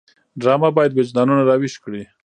ډرامه باید وجدانونه راویښ کړي